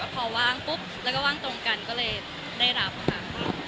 พอว่างปุ๊บแล้วก็ว่างตรงกันก็เลยได้รับค่ะ